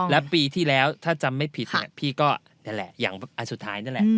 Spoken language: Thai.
แล้วปีที่แล้วถ้าจำไม่ผิดพี่ก็นั่นแหละอย่างอันสุดท้ายนั่นแหละ